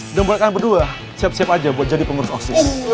mudah mudahan berdua siap siap aja buat jadi pengurus oksis